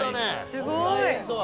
すごいな。